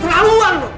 selalu uang lo